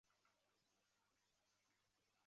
汉高祖刘邦封周勃为绛侯于此。